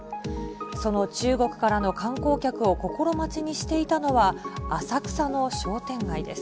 その中国からの観光客を心待ちにしていたのは、浅草の商店街です。